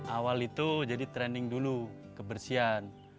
awal itu jadi training dulu kebersihan